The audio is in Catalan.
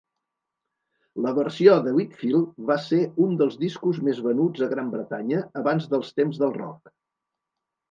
La versió de Whitfield va ser un dels discos més venuts a Gran Bretanya abans dels temps del rock.